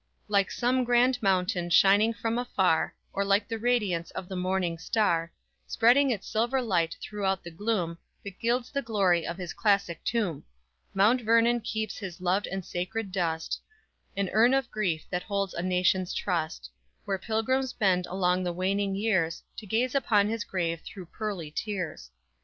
_Like some grand mountain shining from afar, Or like the radiance of the morning star, Spreading its silver light throughout the gloom, That gilds the glory of his classic tomb; Mount Vernon keeps his loved and sacred dust An urn of grief that holds a nation's trust, Where pilgrims bend along the waning years, To gaze upon his grave through pearly tears.